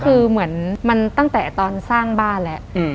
คือเหมือนมันตั้งแต่ตอนสร้างบ้านแล้ว